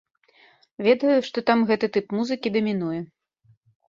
Ведаю, што там гэты тып музыкі дамінуе.